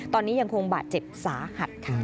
ตอนนี้ยังคงบาดเจ็บสาหัสค่ะ